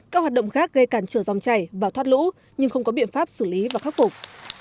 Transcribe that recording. các hoạt động khác gây cản trở dòng chảy và thoát lũ nhưng không có biện pháp xử lý và khắc phục